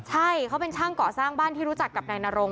ใช่เขาเป็นช่างก่อสร้างบ้านที่รู้จักกับนายนรง